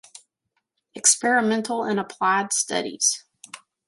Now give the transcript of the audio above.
Experimental and Applied Studies.